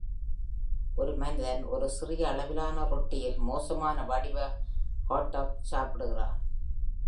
ஒரு மனிதன் ஒரு சிறிய அளவிலான ரொட்டியில் மோசமான வடிவ ஹாட் டாக் சாப்பிடுகிறான்.